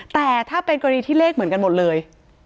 แต่ถ้าเป็นกรณีที่เลขเหมือนกันหมดเลย